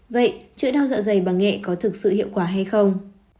vậy chuỗi đau dạ dày bằng nghệ có thực sự hiệu quả hay không